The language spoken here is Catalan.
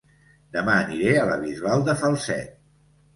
Dema aniré a La Bisbal de Falset